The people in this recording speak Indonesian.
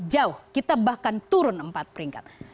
jauh kita bahkan turun empat peringkat